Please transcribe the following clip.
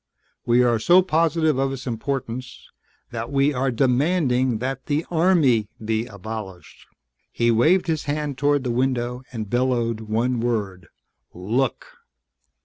We are so positive of its importance that we are demanding that the Army be abolished!" He waved his hand toward the window and bellowed one word. "LOOK!"